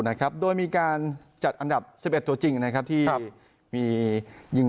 นะครับโดยมีการจัดอันดับสิบเอ็ดตัวจริงนะครับที่มียิง